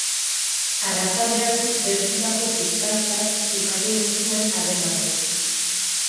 Arratsaldean, Belgikako Fiskaltzak ukatu egin zuen harreman hori.